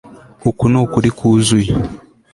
uku nukuri kwuzuye